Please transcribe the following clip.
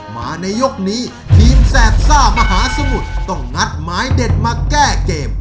มาในยกนี้ทีมแสบซ่ามหาสมุทรต้องงัดหมายเด็ดมาแก้เกม